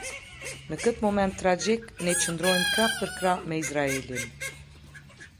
Në këtë moment tragjik ne qëndrojmë krah për krahu me Izraelin.